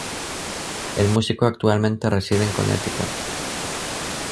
El músico actualmente reside en Connecticut.